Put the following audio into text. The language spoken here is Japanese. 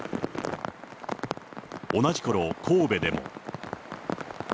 同じころ、神戸でも。